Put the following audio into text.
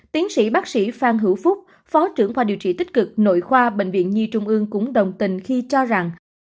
tiến sĩ bác sĩ phan hữu phúc phó trưởng khoa điều trị tích cực nội khoa bệnh viện nhi trung ương cũng đồng tình khi cho rằng